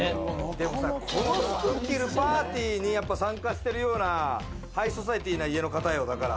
この服を着るパーティーに参加してるような、ハイソサエティーな家の方よ、だから。